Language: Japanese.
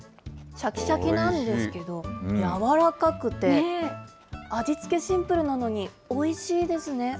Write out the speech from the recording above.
しゃきしゃきなんですけど、軟らかくて、味付け、シンプルなのに、おいしいですね。